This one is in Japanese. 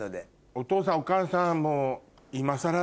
お父さんお母さんもう。